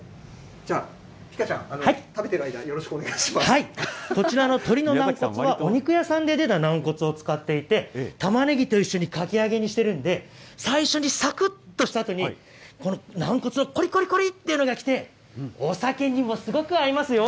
じゃあ、ピカちゃん、食べてる間、こちらの鶏のなんこつはお肉屋さんで出たなんこつを使っていて、たまねぎと一緒にかき揚げにしているので、最初にさくっとしたあとにこのなんこつのこりこりこりっていうのが来て、お酒にもすごく合いますよ。